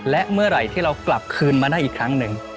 และเมื่อไหร่ที่เรากลับคืนมาได้อีกครั้งหนึ่ง